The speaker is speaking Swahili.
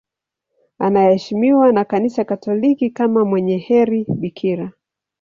Anaheshimiwa na Kanisa Katoliki kama mwenye heri bikira.